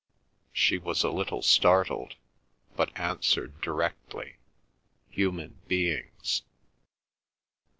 She was a little startled, but answered directly, "Human beings."